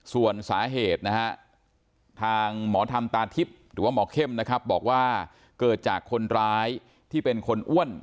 ส่วนสาเหตุนะฮะทางหมอธรรมตาทิพย์หรือว่าหมอเข้มนะครับบอกว่าเกิดจากคนร้ายที่เป็นคนอ้วน